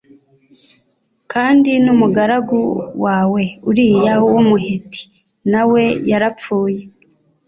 kandi n’umugaragu wawe Uriya w’Umuheti na we yarapfuye.